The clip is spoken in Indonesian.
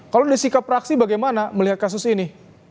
kalau disikap praksi bagaimana melihat kasus ini